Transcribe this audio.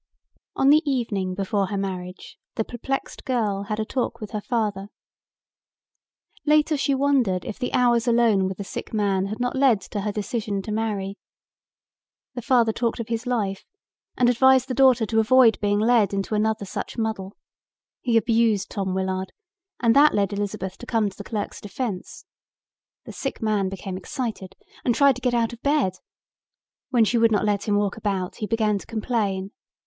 On the evening before her marriage the perplexed girl had a talk with her father. Later she wondered if the hours alone with the sick man had not led to her decision to marry. The father talked of his life and advised the daughter to avoid being led into another such muddle. He abused Tom Willard, and that led Elizabeth to come to the clerk's defense. The sick man became excited and tried to get out of bed. When she would not let him walk about he began to complain.